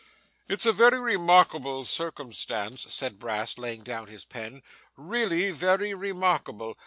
'It's a very remarkable circumstance,' said Brass, laying down his pen; 'really, very remarkable.